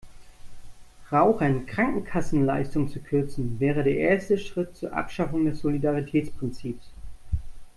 Rauchern Krankenkassenleistungen zu kürzen, wäre der erste Schritt zur Abschaffung des Solidaritätsprinzips.